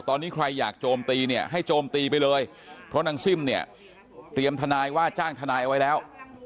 ตอนนี้ใครอยากโจมตีเนี่ยให้โจมตีไปเลยเพราะนางซิ่มเนี่ยเตรียมทนายว่าจ้างทนายเอาไว้แล้ว